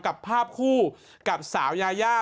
กับภาพคู่กับสาวยายา